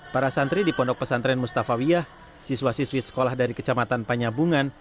para santri di pondok pesantren mustafa wiyah siswa siswi sekolah dari kecamatan panyabungan